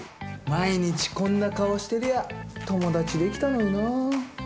毎日こんな顔してりゃ友達できたのにな。